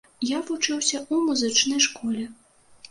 Я вучыўся ў музычнай школе.